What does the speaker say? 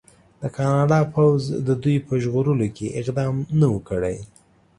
د کاناډا پوځ د دوی په ژغورلو کې اقدام نه و کړی.